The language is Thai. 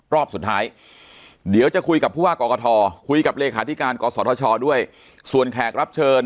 รอบสุดท้ายเดี๋ยวจะคุยกับผู้ว่ากกทคุยกับเลขาธิการกศธชด้วยส่วนแขกรับเชิญ